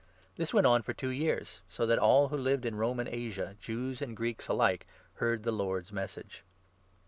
This went on for two years, so that all who lived in 10 Roman Asia, Jews and Greeks alike, heard the Lord's Message.